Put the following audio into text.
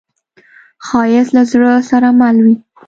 ښایست له زړه سره مل وي